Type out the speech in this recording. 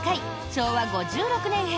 昭和５６年編。